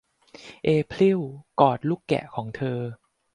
เอพริลกอดลูกแกะของเธอ